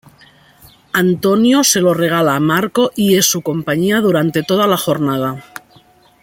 Antonio se lo regala a Marco y es su compañía durante toda la jornada.